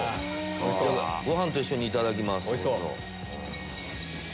ご飯と一緒にいただきます。